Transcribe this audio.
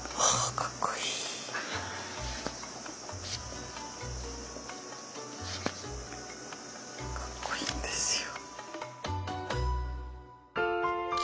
かっこいいんですよ。